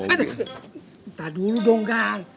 eh bentar dulu dong gan